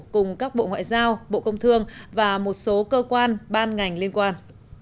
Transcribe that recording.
cùng các bộ ngoại giao bộ công thương và một số cơ quan ban ngành liên quan